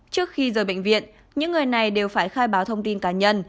trước khi rời bệnh viện những người này đều phải khai báo thông tin cá nhân